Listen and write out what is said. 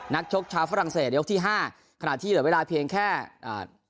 ชกชาวฝรั่งเศสยกที่ห้าขณะที่เหลือเวลาเพียงแค่อ่า